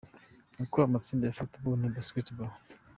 Uko amatsinda ya Football na Basketball.